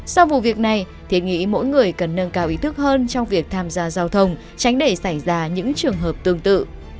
sau vụ việc này thì nghĩ mỗi người cần nâng cao ý thức hơn trong việc tham gia giao thông tránh để xảy ra những trường hợp tương tự